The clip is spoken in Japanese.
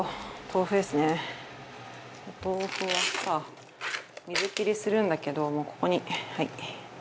お豆腐はさ水切りするんだけどもうここにはい。